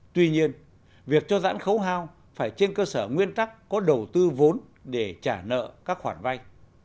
tuy nhiên việc cho giãn khấu hao phải trên cơ sở nguyên tắc có đầu tư vốn để trả nợ các khoản vay